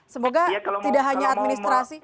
semoga tidak hanya administrasi